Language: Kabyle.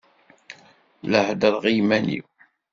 La heddṛeɣ i yiman-iw.